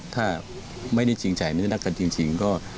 ถ้าไม่ได้จริงใจไม่ได้รักกันจริง